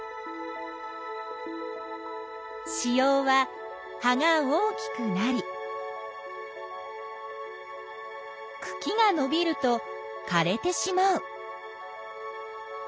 子葉は葉が大きくなりくきがのびるとかれてしまう。